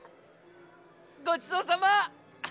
ごちそうさま！